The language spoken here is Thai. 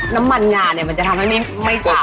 น้ำมันงาเนี่ยมันจะทำไม่สาบไม่ทราบ